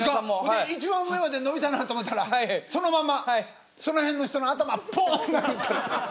で一番上まで伸びたなと思ったらそのままその辺の人の頭ポン。